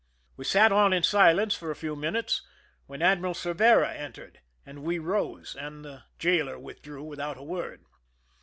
We sat on in silence for a few minutes, when Ad miral Corvera entered, and we rose, and the jailer withdrew without a word.